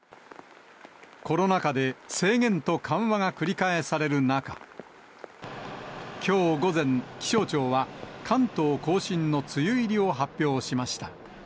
コロナ禍で制限と緩和が繰り返される中、きょう午前、気象庁は関東甲信の梅雨入りを発表しました。